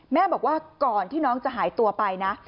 แม่บอกว่าก่อนที่น้องจะหายตัวไปนะ